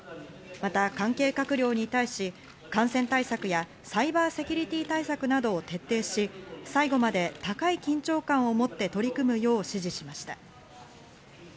また関係閣僚に対し、感染対策やサイバーセキュリティー対策などを徹底し、最後まで高い緊張感をもって取り組むよう指示しました。